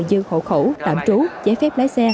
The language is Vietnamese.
như hộ khẩu tạm trú giấy phép lái xe